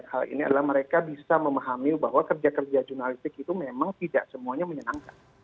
hal ini adalah mereka bisa memahami bahwa kerja kerja jurnalistik itu memang tidak semuanya menyenangkan